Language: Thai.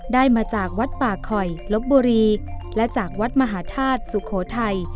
ได้มาจากวัดป่าคอยลบบุรีและจากวัดมหาธาตุสุโขทัย